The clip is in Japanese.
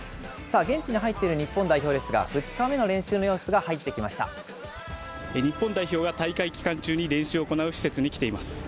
現地に入っている日本代表ですが、２日目の練習の様子が入ってきま日本代表が大会期間中に練習を行う施設に来ています。